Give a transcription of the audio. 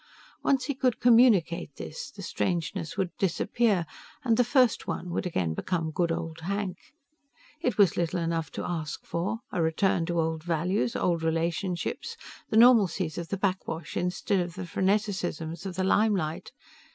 Once he could communicate this, the strangeness would disappear and the First One would again become good old Hank. It was little enough to ask for a return to old values, old relationships, the normalcies of the backwash instead of the freneticisms of the lime light.